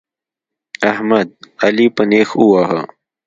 احمد؛ علي په نېښ وواهه.